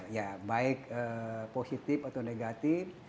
ya baik positif atau negatif